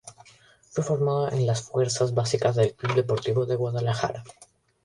Fue formado en las Fuerzas Básicas del Club Deportivo Guadalajara.